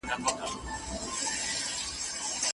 په پنجشنبې زيارت ته راشه زما واده دی گلې